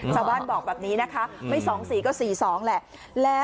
ชาวบ้านบอกแบบนี้นะคะไม่๒๔ก็๔๒แหละ